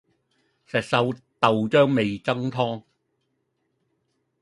石狩豆漿味噌湯